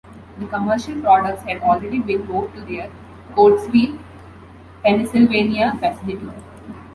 The commercial products had already been moved to their Coatesville, Pennsylvania facility.